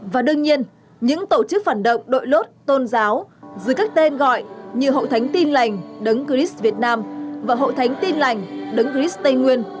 và đương nhiên những tổ chức phản động đội lốt tôn giáo dưới các tên gọi như hội thánh tin lành đấng cris việt nam và hội thánh tin lành đấng cris tây nguyên